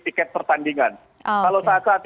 tiket pertandingan kalau saat saat